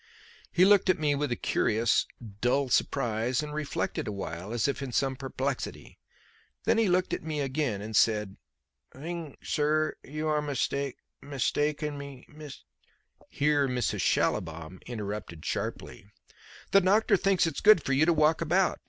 He looked at me with a curious, dull surprise, and reflected awhile as if in some perplexity. Then he looked at me again and said: "Thing, sir, you are mistake mistaken me mist " Here Mrs. Schallibaum interrupted sharply: "The doctor thinks it's good for you to walk about.